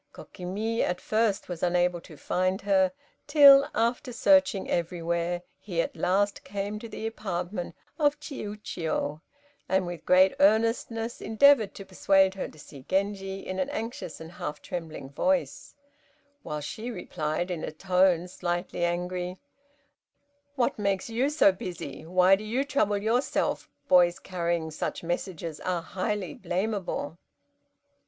Kokimi at first was unable to find her, till after searching everywhere, he, at last, came to the apartment of Chiûjiô, and with great earnestness endeavored to persuade her to see Genji, in an anxious and half trembling voice, while she replied in a tone slightly angry, "What makes you so busy? Why do you trouble yourself? Boys carrying such messages are highly blamable."